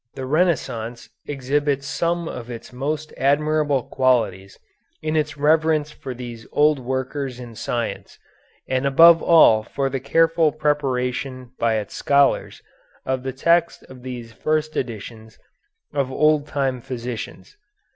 The Renaissance exhibits some of its most admirable qualities in its reverence for these old workers in science and above all for the careful preparation by its scholars of the text of these first editions of old time physicians.